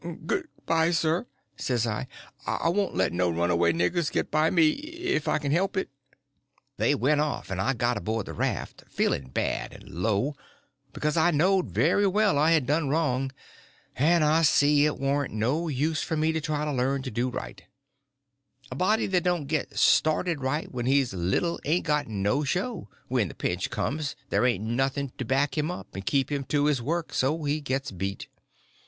"Good bye, sir," says I; "I won't let no runaway niggers get by me if I can help it." They went off and I got aboard the raft, feeling bad and low, because I knowed very well I had done wrong, and I see it warn't no use for me to try to learn to do right; a body that don't get started right when he's little ain't got no show—when the pinch comes there ain't nothing to back him up and keep him to his work, and so he gets beat.